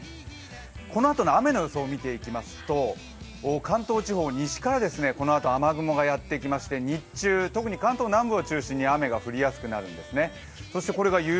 このあとの雨の予想見ていきますと関東地方、西からこのあと雨雲がやってきまして日中、特に関東南部を中心に雨が降りやすくなるんですね。